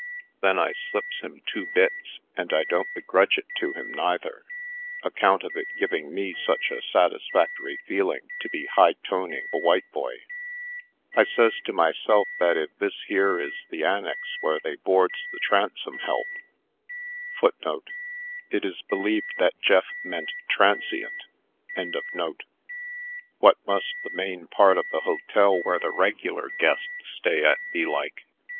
Then I slips him two bits and I don't begrudge it to him, neither, account of it giving me such a satisfactory feeling to be high toning a white boy. I says to myself that if this here is the annex where they boards the transom ^ help, what must the main part of the hotel where the regular guests stays at be like?